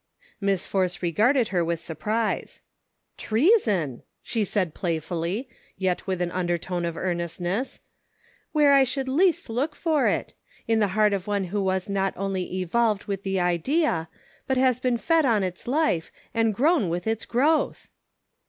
Miss Force regarded her with surprise, " Treason !" she said, playfully, yet with an "IN HIS NAME." 25J' undertone of earnestness, " where I should least look for it ; in the heart of one who was not only * evolved ' with the idea, but has been fed on its life, and grown with its growth."